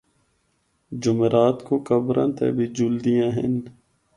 جمعرات کو قبراں تے بھی جلدیاں ہن۔